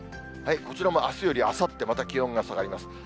こちらもあすよりあさって、また気温が下がります。